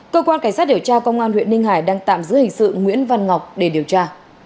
cơ quan cảnh sát điều tra công an huyện ninh hải đang tạm giữ hình sự nguyễn văn ngọc để điều tra